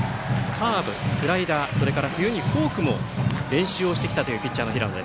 カーブ、スライダーそれから冬にフォークも練習をしてきたというピッチャーの平野。